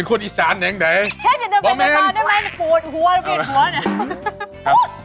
เชฟอย่างใดโบม่าเองหัวหัวนะ